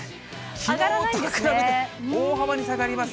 きのうと比べて大幅に下がります。